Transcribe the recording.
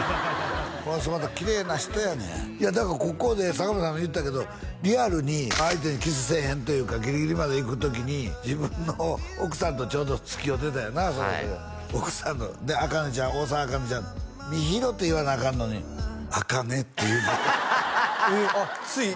この人またきれいな人やねんいやだからここで佐久間さんも言ったけどリアルに相手にキスせえへんというかギリギリまでいく時に自分の奥さんとちょうどつきあってたんやな奥さんのねあかねちゃん大沢あかねちゃん「みひろ」って言わなアカンのに「あかね」って言うてハハハハえっつい？